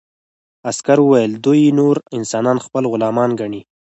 عسکر وویل چې دوی نور انسانان خپل غلامان ګڼي